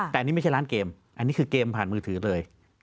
แต่อันนี้ไม่ใช่ร้านเกมอันนี้คือเกมผ่านมือถือเลย